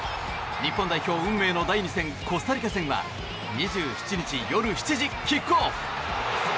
日本代表、運命の第２戦コスタリカ戦は２７日、夜７時キックオフ！